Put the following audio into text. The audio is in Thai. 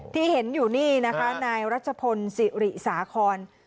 ที่เห็นอยู่นี่นะคะนายรัชพลศิริสาคอน